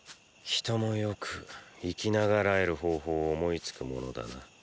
人もよく生きながらえる方法を思いつくものだな。